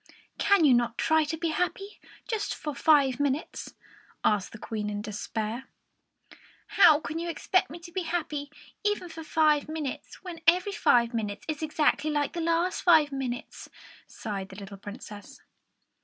"Can you not try to be happy, just for five minutes?" asked the Queen, in despair. "How can you expect me to be happy, even for five minutes, when every five minutes is exactly like the last five minutes?" sighed the little Princess.